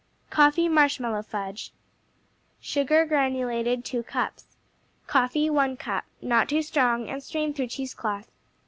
Coffee Marshmallow Fudge Sugar (granulated), 2 cups Coffee, 1 cup (Not too strong, and strain through cheesecloth.)